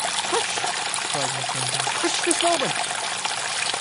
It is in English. ‘Hush!’ cried Mrs. Linton, 'hush, this moment!'